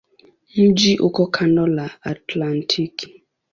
Mji uko kando la Atlantiki.